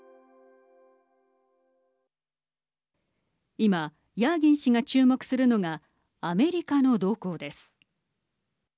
今、ヤーギン氏が注目するのがアメリカの動向です。